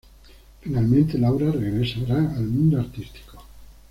Finalmente, Laura regresará al mundo artístico.